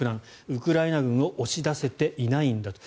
ウクライナ軍を押し出せていないんだと。